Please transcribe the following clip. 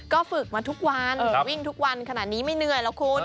ก็ฝึกมาทุกวันวิ่งทุกวันขนาดนี้ไม่เหนื่อยหรอกคุณ